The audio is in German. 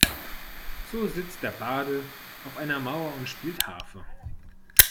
So sitzt der Barde auf einer Mauer und spielt Harfe.